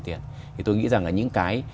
tiền thì tôi nghĩ rằng là những cái